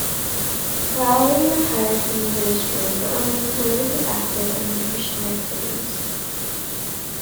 Lowery retired from the ministry, but remains politically active and in Christian activities.